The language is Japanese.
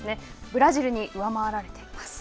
ブラジルに上回られています。